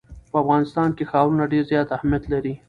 په افغانستان کې ښارونه ډېر زیات اهمیت لري.